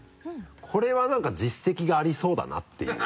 これはなんか実績がありそうだなっていう。